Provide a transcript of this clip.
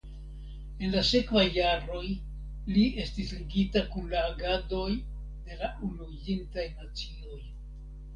En la sekvaj jaroj li estis ligita kun la agadoj de la Unuiĝintaj Nacioj.